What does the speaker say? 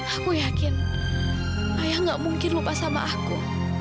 aku yakin ayah gak mungkin lupa sama aku